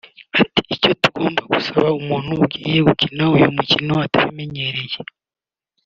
Ati ”Icyo tubanza gusaba umuntu ugiye gukina uyu mukino atabimenyereye